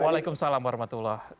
waalaikumsalam warahmatullahi wabarakatuh